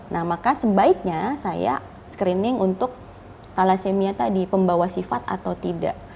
nah maka sebaiknya saya screening untuk thalassemia tadi pembawa sifat atau tidak